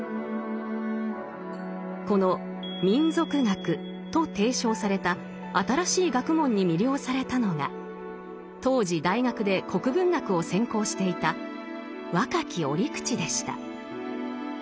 この「民俗学」と提唱された新しい学問に魅了されたのが当時大学で国文学を専攻していた若き折口でした。